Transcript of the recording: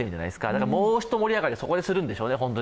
だからもう一盛り上がり、そこでするんでしょうね。